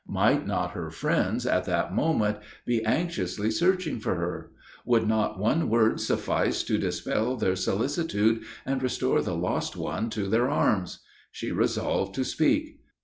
Might not her friends, at that moment, be anxiously searching for her? Would not one word suffice to dispel their solicitude, and restore the lost one to their arms? She resolved to speak.